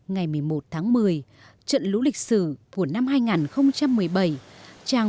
ngày một mươi một tháng một mươi trận lũ lịch sử của năm hai nghìn một mươi bảy trang